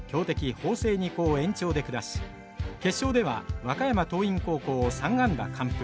法政二高を延長で下し決勝では和歌山桐蔭高校を３安打完封。